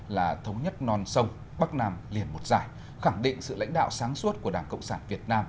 là thống nhất non sông bắc nam liền một dài khẳng định sự lãnh đạo sáng suốt của đảng cộng sản việt nam